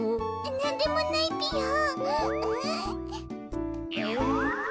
なんでもないぴよ。え。